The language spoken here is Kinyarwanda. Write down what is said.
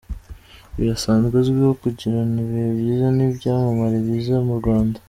Uyu asanzwe azwiho kugirana ibihe byiza n’ibyamamare biza mu Rwanda.